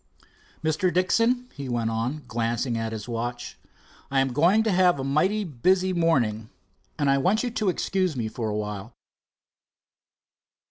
Mr. Dixon," he went on, glancing at his watch, "I am going to have a mighty busy morning, and I want you to excuse me for a while."